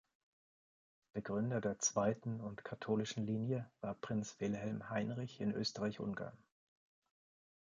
Begründer der zweiten und katholischen Linie war Prinz Wilhelm Heinrich in Österreich-Ungarn.